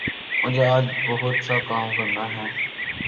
مجھے آج بہت سا کام کرنا ہے